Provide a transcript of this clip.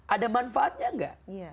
ada manfaatnya tidak